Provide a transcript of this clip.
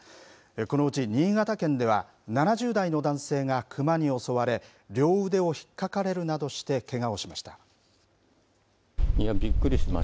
このうち新潟県では７０代の男性が熊に襲われ両腕をひっかかれるなどしてけがをしました。